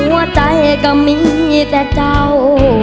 หัวใจก็มีแต่เจ้า